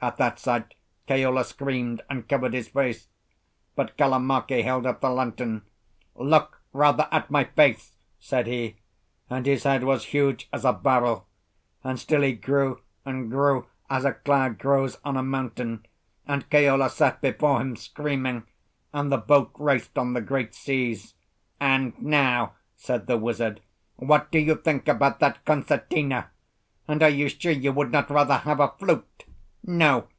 At that sight Keola screamed and covered his face. But Kalamake held up the lantern. "Look rather at my face!" said he—and his head was huge as a barrel; and still he grew and grew as a cloud grows on a mountain, and Keola sat before him screaming, and the boat raced on the great seas. "And now," said the wizard, "what do you think about that concertina? and are you sure you would not rather have a flute? No?"